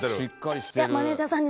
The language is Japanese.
あマネージャーさんに？